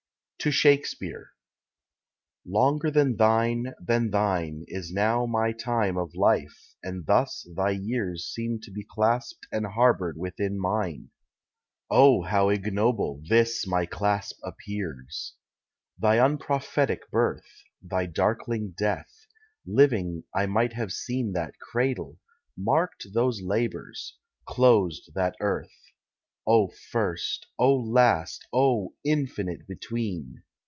TO SHAKESPEARE Longer than thine, than thine, Is now my time of life; and thus thy years Seem to be clasped and harboured within mine. O how ignoble this my clasp appears! Thy unprophetic birth, Thy darkling death: living I might have seen That cradle, marked those labours, closed that earth. O first, O last, O infinite between!